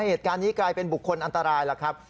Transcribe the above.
เหตุการณ์นี้กลายเป็นบุคคลอันตรายแล้วครับ